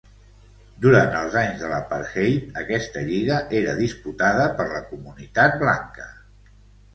Durant els anys de l'apartheid aquesta lliga era disputada per la comunitat blanca.